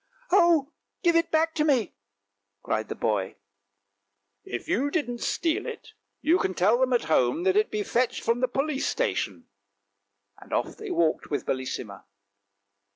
" Oh, give it back to me! " cried the boy. " If you didn't steal it, you can tell them at home that it can be fetched from the police station," and off they walked with Bellissima.